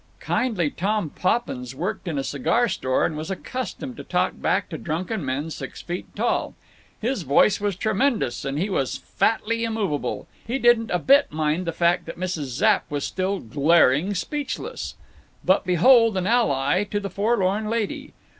Kindly Tom Poppins worked in a cigar store and was accustomed to talk back to drunken men six feet tall. His voice was tremendous, and he was fatly immovable; he didn't a bit mind the fact that Mrs. Zapp was still "glaring speechless." But behold an ally to the forlorn lady.